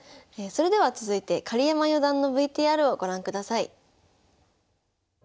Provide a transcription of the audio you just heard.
それでは続いて狩山四段のＶＴＲをご覧ください。